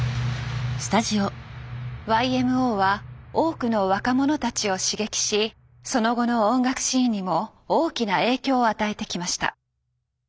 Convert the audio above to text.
ＹＭＯは多くの若者たちを刺激しその後の音楽シーンにも大きな影響を与えてきました。